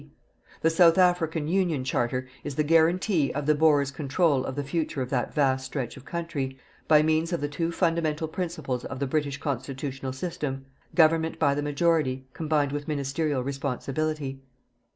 C The South African Union Charter is the guarantee of the Boers' control of the future of that vast stretch of country, by means of the two fundamental principles of the British constitutional system: government by the majority combined with ministerial responsibility.